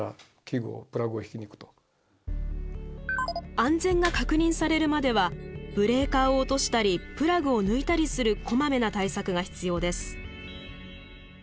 安全が確認されるまではブレーカーを落としたりプラグを抜いたりするこまめな対策が必要です。